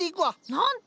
なんと！